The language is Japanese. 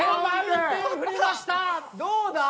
どうだ？